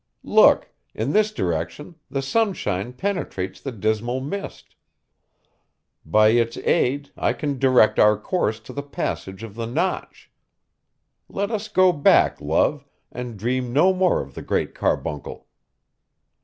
'Look! In this direction, the sunshine penetrates the dismal mist. By its aid, I can direct our course to the passage of the Notch. Let us go back, love, and dream no more of the Great Carbuncle!